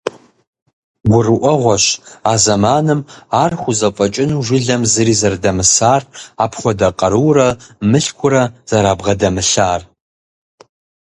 Гурыӏуэгъуэщ а зэманым ар хузэфӏэкӏыну жылэм зыри зэрыдэмысар, апхуэдэ къарурэ мылъкурэ зэрабгъэдэмылъар.